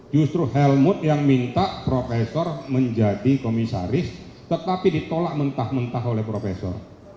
justru helmut yang minta profesor menjadi komisaris tetapi ditolak mentah mentah oleh profesor